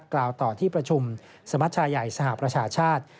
กล่าวต่อที่ประชุมสมัชชาใหญ่สหประชาชาติ